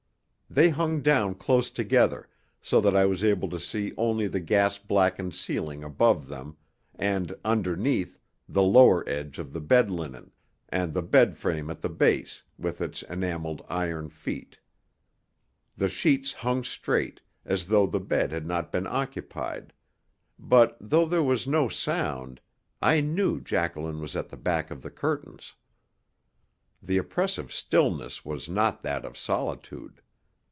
They hung down close together, so that I was able to see only the gas blackened ceiling above them and, underneath, the lower edge of the bed linen, and the bed frame at the base, with its enamelled iron feet, The sheets hung straight, as though the bed had not been occupied; but, though there was no sound, I knew Jacqueline was at the back of the curtains. The oppressive stillness was not that of solitude.